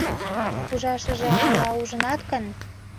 Ужашыже — ала, ужынат гын?